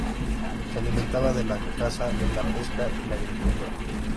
Se alimentaban de la caza, la pesca y la agricultura.